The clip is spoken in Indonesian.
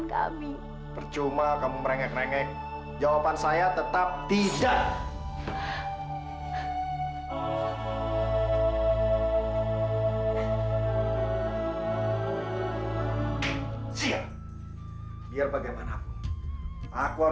sampai jumpa di video selanjutnya